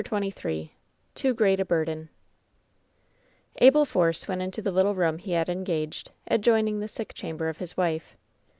OHAPTEK XXIII TOO GREAT A BURDEN ''''*' Abel Force went into the little room he had en gaged, adjoining the sick chamber of his wife.